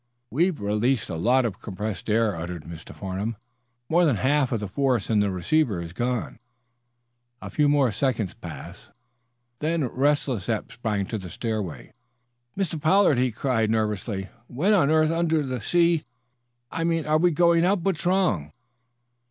"We've released a lot of compressed air," uttered Mr. Farnum. "More than half of the force in the receiver is gone." A few seconds more passed. Then restless Eph sprang to the stairway. "Mr. Pollard," he cried, nervously, "when on earth under the sea, I mean are we going up? What's wrong?"